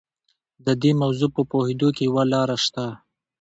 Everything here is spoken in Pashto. د دې موضوع په پوهېدو کې یوه لاره شته.